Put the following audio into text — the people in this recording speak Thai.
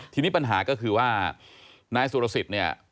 ทีนี้ปัญหาก็คือว่านายสุรสิต